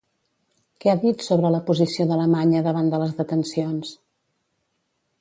Què ha dit sobre la posició d'Alemanya davant de les detencions?